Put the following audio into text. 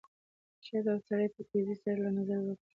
ښځه او سړی په تېزۍ سره له نظره ورک شول.